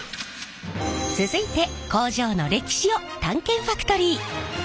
続いて工場の歴史を探検ファクトリー。